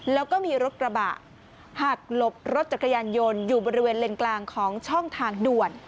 แล้วก็มีรถกระบะหักหลบรถจักรยานยนต์อยู่บริเวณเลนกลางของช่องทางด่วน